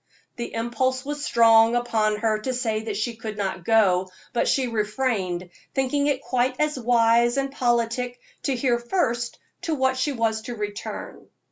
The impulse was strong upon her to say that she could not go, but she refrained, thinking it quite as wise and politic to hear first to what she was to return.